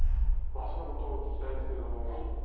バスのことを聞きたいんですけども。